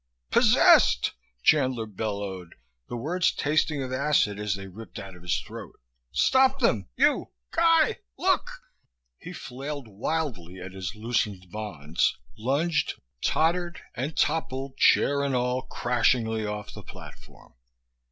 "Possessed!" Chandler bellowed, the words tasting of acid as they ripped out of his throat. "Stop them! You Guy look!" He flailed wildly at his loosened bonds, lunged, tottered and toppled, chair and all, crashingly off the platform.